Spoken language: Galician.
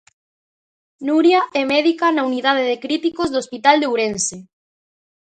Nuria é médica na unidade de Críticos do Hospital de Ourense.